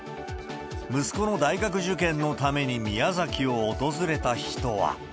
息子の大学受験のために宮崎を訪れた人は。